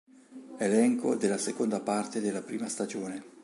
Elenco della seconda parte della prima stagione.